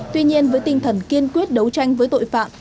tuy nhiên với tinh thần kiên quyết đấu tranh với tội phạm